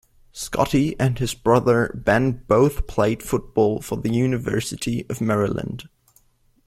Scotti and his brother Ben both played football for the University of Maryland.